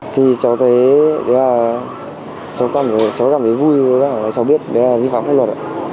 thì cháu thấy cháu cảm thấy vui cháu biết vi phạm pháp luật